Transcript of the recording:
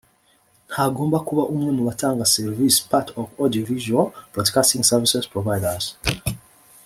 ntagomba kuba umwe mu batanga serivisi part of audio visual broadcasting services providers